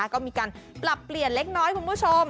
ก็มีการปรับเปลี่ยนเล็กน้อยคุณผู้ชม